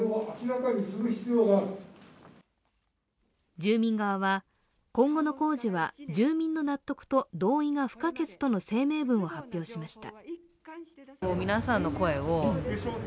住民側は今後の工事は住民の納得と同意が不可欠との声明文を発表しました。